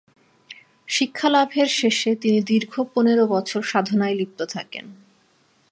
শিক্ষালাভের শেষে তিনি দীর্ঘ পনেরো বছর সাধনায় লিপ্ত থাকেন।